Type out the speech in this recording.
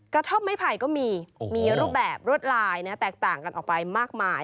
กระท่อมไม้ไผ่ก็มีมีรูปแบบรวดลายแตกต่างกันออกไปมากมาย